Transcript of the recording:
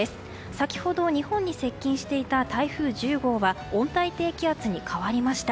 先ほど、日本に接近していた台風１０号は温帯低気圧に変わりました。